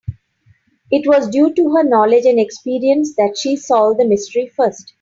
It was due to her knowledge and experience that she solved the mystery first.